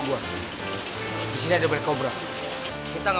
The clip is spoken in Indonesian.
bus depan datang